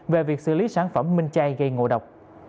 về việc xử lý sản phẩm minh chay gây ngộ độc